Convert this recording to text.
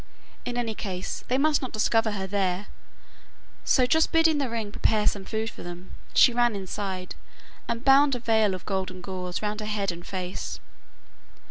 In any case they must not discover her there; so just bidding the ring prepare some food for them, she ran inside, and bound a veil of golden gauze round her head and face.